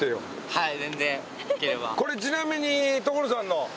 はい。